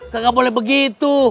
gak boleh begitu